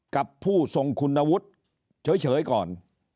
กับผู้ทรงคุณวุฒิเฉยก่อน